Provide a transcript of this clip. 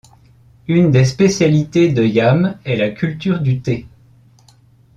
Une des spécialités de Yame est la culture du thé.